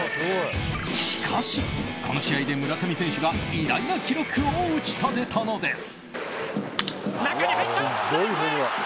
しかし、この試合で村上選手が偉大な記録を打ち立てたのです。